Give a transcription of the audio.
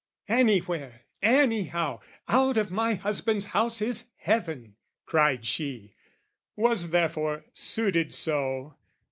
"Anywhere, anyhow, out of my husband's house "Is heaven," cried she, was therefore suited so.